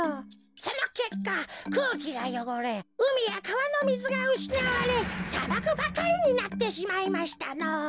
そのけっかくうきがよごれうみやかわのみずがうしなわれさばくばかりになってしまいましたのぉ。